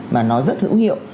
mà nó rất hữu hiệu